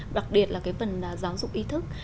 đặc biệt là cái phần giáo dục ý thức